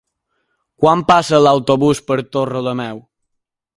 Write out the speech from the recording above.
Quan passa l'autobús per Torrelameu?